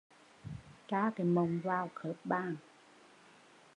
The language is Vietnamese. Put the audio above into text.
Tra cái mộng vào khớp bàn